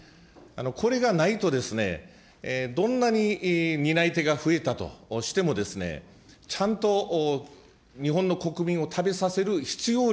これがないと、どんなに担い手が増えたとしても、ちゃんと日本の国民を食べさせる必要量、